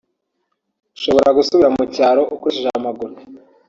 ushobora gusubira mu cyaro ukoresheje amaguru